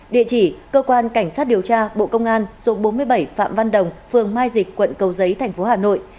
địa chỉ cơ quan cảnh sát điều tra bộ công an số bốn mươi bảy phạm văn đồng phường mai dịch quận cầu giấy thành phố hà nội